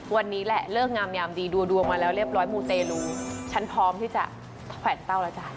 วันนี้แหละเลิกงามยามดีดูดวงมาแล้วเรียบร้อยมูเตรลูฉันพร้อมที่จะแขวนเต้าแล้วจ้ะ